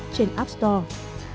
trên app store